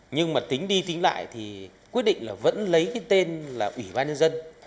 nhưng mà tính đi tính lại thì quyết định là vẫn lấy cái tên là ủy ban nhân dân